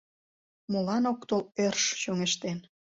Молан ок тол ӧрш чоҥештен